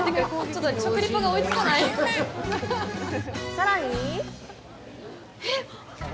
さらに！